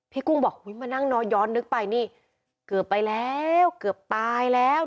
กุ้งบอกมานั่งนอนย้อนนึกไปนี่เกือบไปแล้วเกือบตายแล้ว